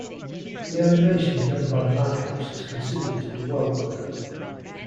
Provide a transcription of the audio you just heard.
The animation done by Madhouse is considered to be well done.